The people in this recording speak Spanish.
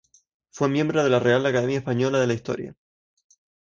Fue miembro de la Real Academia Española de la Historia.